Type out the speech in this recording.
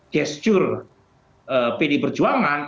gesture pdi perjuangan